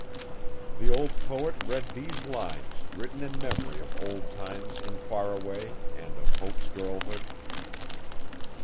The old poet read these lines written in memory of old times in Faraway and of Hope's girlhood.